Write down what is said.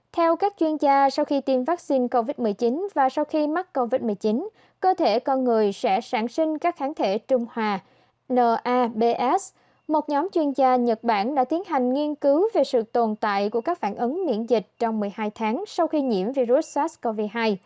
theo các chuyên gia sau khi tiêm vaccine covid một mươi chín và sau khi mắc covid một mươi chín cơ thể con người sẽ sản sinh các kháng thể trung hòa nabs một nhóm chuyên gia nhật bản đã tiến hành nghiên cứu về sự tồn tại của các phản ứng miễn dịch trong một mươi hai tháng sau khi nhiễm virus sars cov hai